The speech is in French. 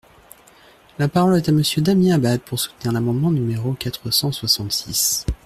La parole est à Monsieur Damien Abad, pour soutenir l’amendement numéro quatre cent soixante-six.